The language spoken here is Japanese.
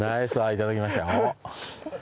いただきましたよ。